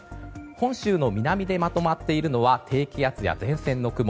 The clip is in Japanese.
本州の南でまとまっているのは低気圧や前線の雲。